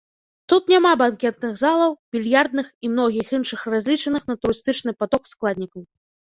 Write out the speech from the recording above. Тут няма банкетных залаў, більярдных і многіх іншых разлічаных на турыстычны паток складнікаў.